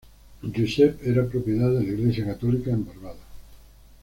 Joseph era propiedad de la Iglesia católica en Barbados.